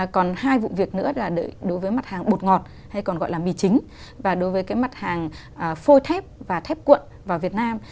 còn hai vụ việc nữa là đối với mặt hàng bột ngọt hay còn gọi là mì chính và đối với cái mặt hàng phôi thép và thép cuộn vào việt nam